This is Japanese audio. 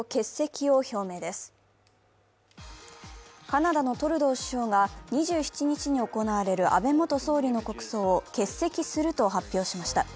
カナダのトルドー首相が２７日に行われる安倍元総理の国葬を欠席すると発表しました。